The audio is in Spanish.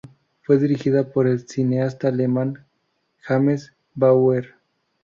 Fue dirigida por el cineasta alemán James Bauer.